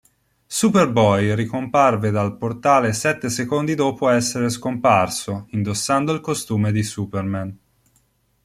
Superboy ricomparve dal portale sette secondi dopo essere scomparso, indossando il costume di Superman.